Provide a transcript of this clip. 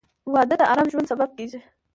• واده د ارام ژوند سبب کېږي.